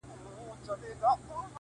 د اباسین څپې دي یوسه کتابونه!!